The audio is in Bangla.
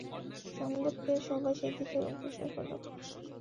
সংবাদ পেয়ে সবাই সেদিকে অগ্রসর হল।